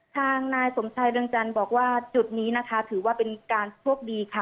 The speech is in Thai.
ทางนายสมชายเรืองจันทร์บอกว่าจุดนี้นะคะถือว่าเป็นการโชคดีค่ะ